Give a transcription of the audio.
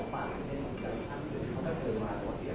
ก็น่าจะได้คำตอบตรงนี้ก็มันมีเกิดหวังคำว่าอีกครั้ง